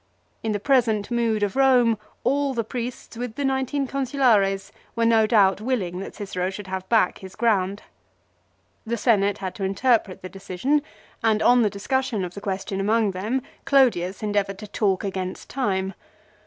In the present mood of Eome, all the priests, with the nineteen Consulares, were no doubt willing that Cicero should have back his ground. The Senate had to interpret the decision, and on the discussion of the question among them Clodius endeavoured to talk against time.